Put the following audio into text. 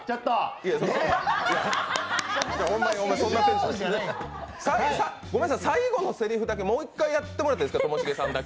ごめんなさい、最後のせりふだけもう１回やってもらっていいですか。